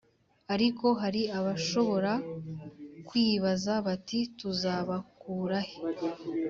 Ariko hari abashobora kwibaza bati tuzabakurahe